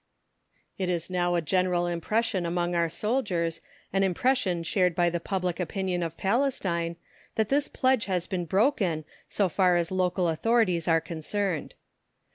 It is now a general impression among our soldiers, an impression shared by the public opinion of Palestine, that this pledge has been broken, so far as local authorities are concerned.